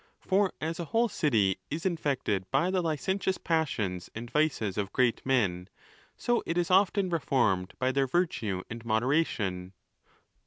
For as a whole city is infected by the licentious passions and vices of great men, so it is often reformed by their virtue and moderation.